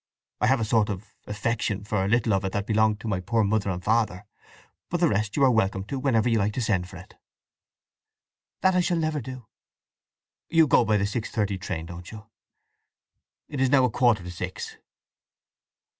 I have a sort of affection for a little of it that belonged to my poor mother and father. But the rest you are welcome to whenever you like to send for it." "That I shall never do." "You go by the six thirty train, don't you? It is now a quarter to six."